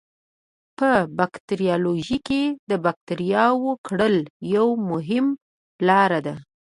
په باکتریالوژي کې د بکټریاوو کرل یوه مهمه لاره ده.